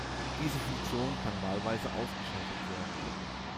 Diese Funktion kann wahlweise ausgeschaltet werden.